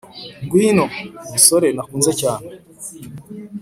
Ngwino, musore nakunze cyane